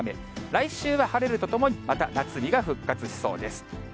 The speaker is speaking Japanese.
来週は晴れるとともに、また夏日が復活しそうです。